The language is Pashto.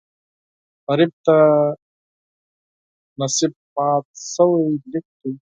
غریب د نصیب مات شوی لیک دی